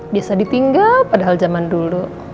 bisa ditinggal padahal zaman dulu